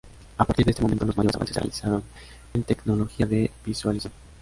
A partir de este momento los mayores avances se realizaron en tecnologías de visualización.